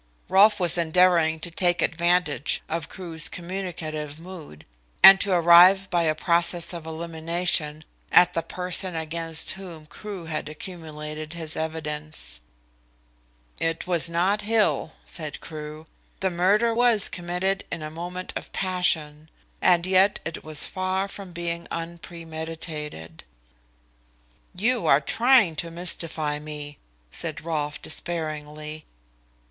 Rolfe was endeavouring to take advantage of Crewe's communicative mood and to arrive by a process of elimination at the person against whom Crewe had accumulated his evidence. "It was not Hill," said Crewe. "The murder was committed in a moment of passion, and yet it was far from being unpremeditated." "You are trying to mystify me," said Rolfe despairingly.